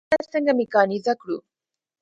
کرنه څنګه میکانیزه کړو؟